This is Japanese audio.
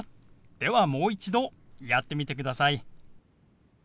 ではもう一度やってみてください。